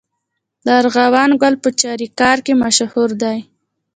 د ارغوان ګل په چاریکار کې مشهور دی.